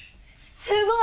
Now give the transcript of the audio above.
すごい！